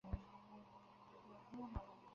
ও কথা আমরা কখন বললুম!